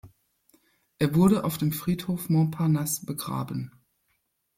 Er wurde auf dem Friedhof Montparnasse begraben.